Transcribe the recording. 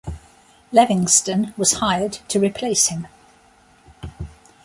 Levingston was hired to replace him.